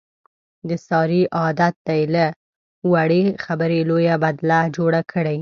د سارې عادت دی، له وړې خبرې لویه بدله جوړه کړي.